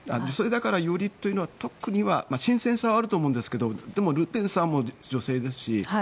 それだからよりというのは新鮮さはあると思いますけどでも、ルペンさんも女性ですし。